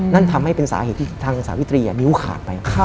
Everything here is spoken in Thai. นั่นทำให้เป็นสาเหตุที่ทางสาวิตรีนิ้วขาดไป